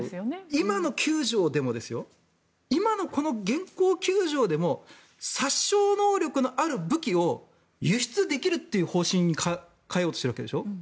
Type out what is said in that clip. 僕なんかは今の９条でも今のこの現行９条でも殺傷能力のある武器を輸出できるという方針に変えようとしているわけでしょ。